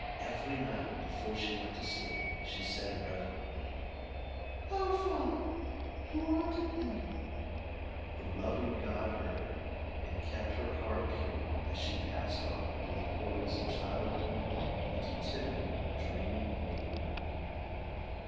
Every night, before she went to sleep, she said reverently "Our Father, who art in heaven." The loving God heard her, and kept her heart pure, as she passed on through the portals of childhood into timid, dreamy maidenhood.